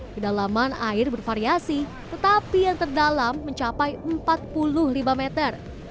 kedalaman air bervariasi tetapi yang terdalam mencapai empat puluh lima meter